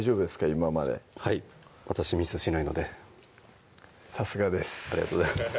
今まではい私ミスしないのでさすがですありがとうございます